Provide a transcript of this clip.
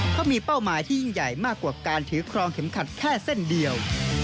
เขามีเป้าหมายที่ยิ่งใหญ่มากกว่าการถือครองเข็มขัดแค่เส้นเดียว